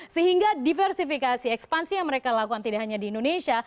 sehingga diversifikasi ekspansi yang mereka lakukan tidak hanya di indonesia